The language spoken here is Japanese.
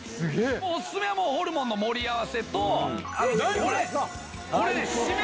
オススメはホルモンの盛り合わせとこれ！